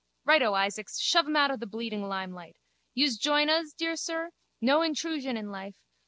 Righto, Isaacs, shove em out of the bleeding limelight. Yous join uz, dear sir? No hentrusion in life.